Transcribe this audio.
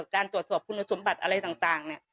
การตรวจสอบคุณสมบัติอะไรต่างเนี่ย